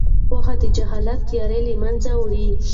پوهه د جهالت تیاره له منځه وړي.